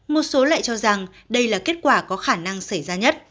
một số lại cho rằng đây là kết quả có khả năng xảy ra nhất